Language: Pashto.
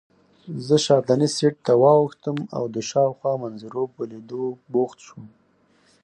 زه شاتني سېټ ته واوښتم او د شاوخوا منظرو په لیدو بوخت شوم.